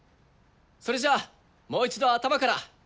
それじゃあもう一度頭から。